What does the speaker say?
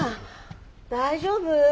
大丈夫？